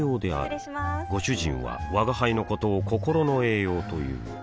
失礼しまーすご主人は吾輩のことを心の栄養という